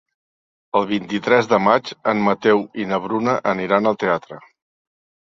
El vint-i-tres de maig en Mateu i na Bruna aniran al teatre.